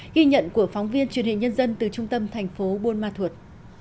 ghi nhận của phóng viên truyền hình nhân dân từ trung tâm thành phố buôn ma thuột